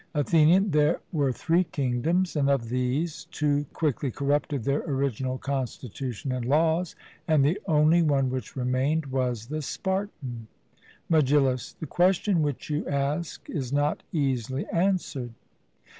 ATHENIAN: There were three kingdoms, and of these, two quickly corrupted their original constitution and laws, and the only one which remained was the Spartan. MEGILLUS: The question which you ask is not easily answered.